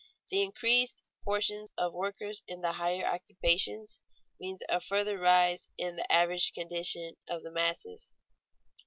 _The increased proportion of workers in the higher occupations means a further rise in the average condition of the masses.